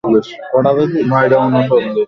আমাদের ফণিভূষণকে ফণিভূষণের স্ত্রী ঠিক বুঝিত না।